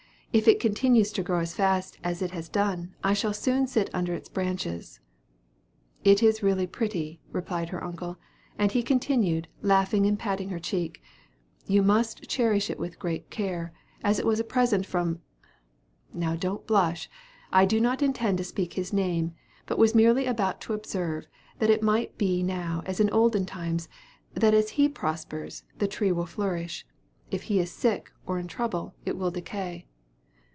If it continues to grow as fast as it has done, I can soon sit under its branches." "It is really pretty," replied her uncle; and he continued, laughing and patting her cheek, "you must cherish it with great care, as it was a present from now don't blush; I do not intend to speak his name, but was merely about to observe, that it might be now as in olden times, that as he prospers, the tree will flourish; if he is sick, or in trouble, it will decay."